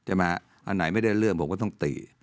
อันไหนไม่ได้เรื่องผมก็ต้องตี